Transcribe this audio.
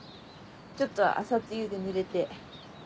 ちょっと朝露でぬれて。